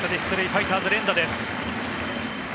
ファイターズ連打です。